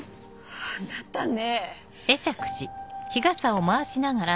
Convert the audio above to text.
あなたね。